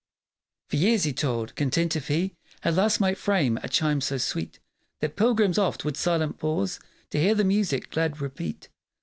For years he toiled, content if he At last might frame a chime so sweet That pilgrims oft would silent pause To hear the music glad repeat.